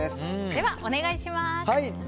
では、お願いします。